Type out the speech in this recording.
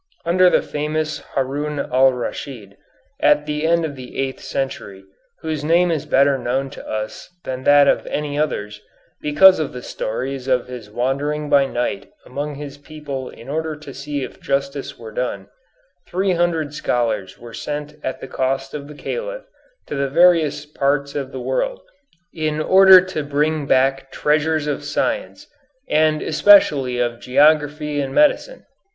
Under the famous Harun al Raschid, at the end of the eighth century, whose name is better known to us than that of any others, because of the stories of his wandering by night among his people in order to see if justice were done, three hundred scholars were sent at the cost of the Caliph to the various parts of the world in order to bring back treasures of science, and especially of geography and medicine.